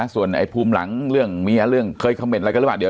ส่วนไอ้ภูมิหลังเรื่องเมียเรื่องเคยคำเมนต์อะไรกันหรือเปล่าเดี๋ยว